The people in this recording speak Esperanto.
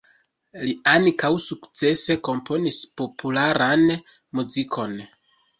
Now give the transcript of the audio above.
Li ankaŭ sukcese komponis popularan muzikon.